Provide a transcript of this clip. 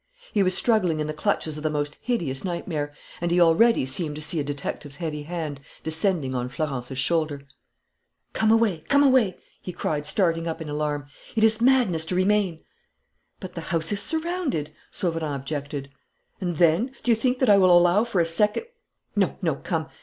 He was struggling in the clutches of the most hideous nightmare; and he already seemed to see a detective's heavy hand descending on Florence's shoulder. "Come away! Come away!" he cried, starting up in alarm. "It is madness to remain!" "But the house is surrounded," Sauverand objected. "And then? Do you think that I will allow for a second ? No, no, come!